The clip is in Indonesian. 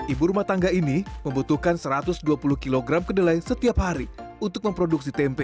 ibu rumah tangga ini membutuhkan satu ratus dua puluh kg kedelai setiap hari untuk memproduksi tempe